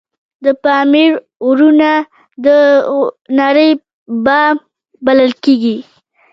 د پامیر غرونه د نړۍ بام بلل کیږي